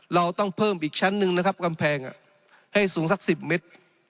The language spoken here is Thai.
เราต้องเพิ่มอีกชั้นหนึ่งนะครับกำแพงให้สูงสัก๑๐เมตร